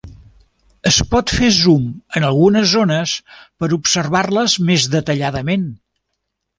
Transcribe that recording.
Es pot fer zoom en algunes zones per observar-les més detalladament.